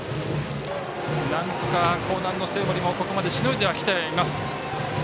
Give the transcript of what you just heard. なんとか興南の生盛もここまでしのいではきています。